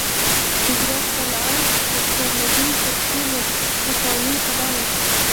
د هرات قلعه اختیارالدین تر ټولو پخوانۍ کلا ده